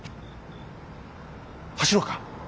走ろうか。